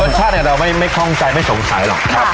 เพราะว่าไม่ให้ไม่ข้องใจไม่สงสัยหรอกครับครับ